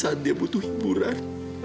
saya yang butuh hiburan